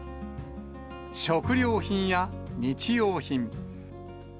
食料品や日用品。